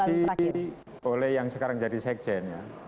diisi oleh yang sekarang jadi sekjen